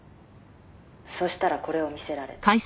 「そうしたらこれを見せられた」